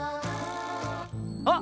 あっ！